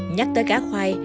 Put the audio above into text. nhắc tới cá khoai